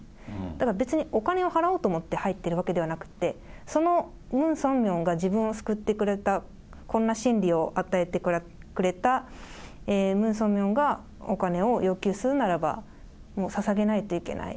だから別にお金を払おうと思って入ってるわけではなくて、そのムン・ソンミョンが自分を救ってくれた、こんな真理を与えてくれたムン・ソンミョンが、お金を要求するならばもうささげないといけない。